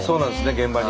現場に。